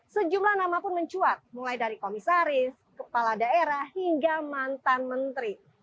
sejumlah nama pun mencuat mulai dari komisaris kepala daerah hingga mantan menteri